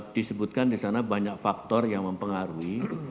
disebutkan di sana banyak faktor yang mempengaruhi